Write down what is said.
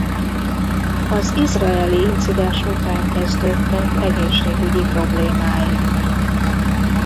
Az izraeli incidens után kezdődtek egészségügyi problémái.